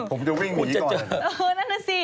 ผมจะวิ่งหนีก่อนเออนั่นน่ะสิ